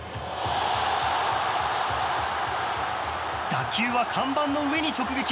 打球は看板の上に直撃。